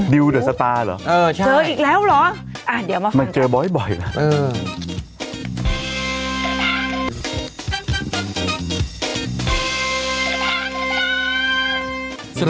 ดิวเดอสตาร์เหรอเออใช่เจออีกแล้วเหรอ